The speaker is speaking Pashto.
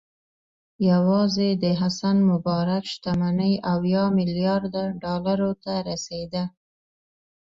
یوازې د حسن مبارک شتمني اویا میلیارده ډالرو ته رسېده.